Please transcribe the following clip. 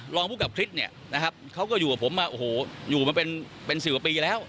ลองพูดกับคริสต์เขาก็อยู่กับผมอยู่มาเป็น๑๐กว่าปีแล้ว